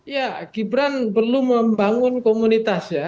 ya gibran perlu membangun komunitas ya